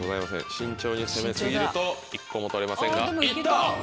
慎重に攻め過ぎると１個も取れませんが。